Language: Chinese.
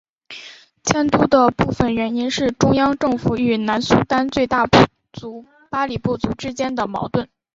迁都的部分原因是中央政府与南苏丹最大部族巴里部族之间的矛盾。